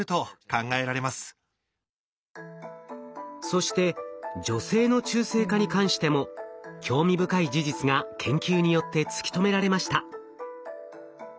そして女性の中性化に関しても興味深い事実が研究によって突き止められました。